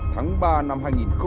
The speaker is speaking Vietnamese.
tháng ba năm hai nghìn hai mươi